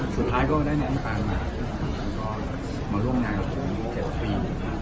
สุดท้ายก็ได้น้ำตาลมามาร่วมงานกับผมเกือบตรี